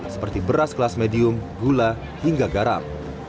seperti beras kelas medium gula hingga garam